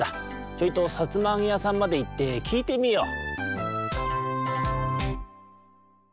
ちょいとさつまあげやさんまでいってきいてみよう」。